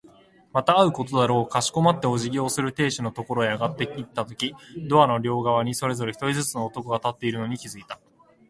また会うことだろう。かしこまってお辞儀をする亭主のところへ上がっていったとき、ドアの両側にそれぞれ一人ずつの男が立っているのに気づいた。